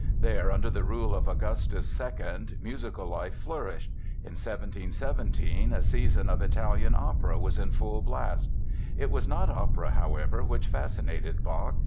There, under the rule of Augustus II, musical life flourished. In 1717 a season of Italian opera was in full blast. It was not opera, however, which fascinated Bach.